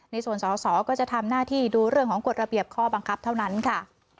ในส่วนของสอสอก็จะทำหน้าที่ดูเรื่องของกฎระเบียบข้อบังคับเท่านั้นค่ะ